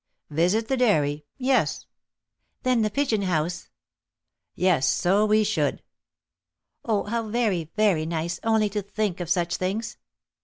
"Visit the dairy! Yes." "Then the pigeon house?" "Yes, so we should." "Oh, how very, very nice, only to think of such things!"